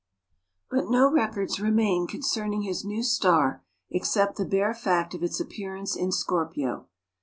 But no records remain concerning his new star except the bare fact of its appearance in Scorpio.